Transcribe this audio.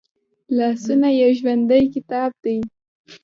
لاسونه یو ژوندی کتاب دی